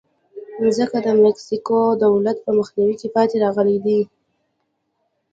ځکه د مکسیکو دولت په مخنیوي کې پاتې راغلی دی.